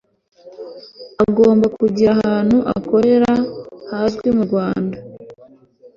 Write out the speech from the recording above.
agomba kugira ahantu akorera hazwi mu rwanda